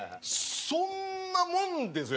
そんなもんですよ。